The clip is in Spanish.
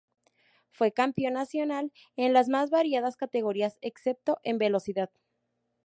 Fue campeón nacional en las más variadas categorías, excepto en velocidad.